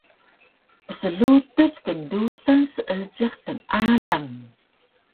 pslutuc kndusan seejiq tnealang